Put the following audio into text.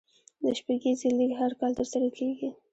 د شپږیزې لیګ هر کال ترسره کیږي.